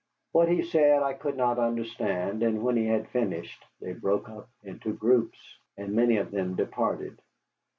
What he said I could not understand, and when he had finished they broke up into groups, and many of them departed.